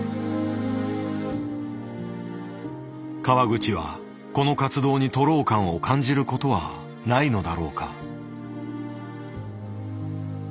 川口はこの活動に徒労感を感じることはないのだろうか。